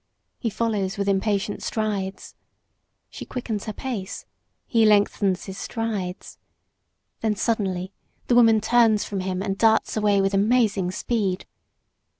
He follows with impatient strides. She quickens her pace. He lengthens his strides. Then suddenly the woman turns from him and darts away with amazing speed.